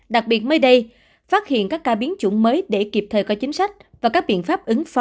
đặc biệt mới đây phát hiện các ca biến chủng mới để kịp thời có chính sách và các biện pháp ứng phó